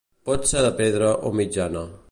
Pot ser de pedra o mitjana.